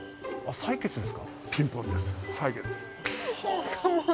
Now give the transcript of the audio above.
採血です。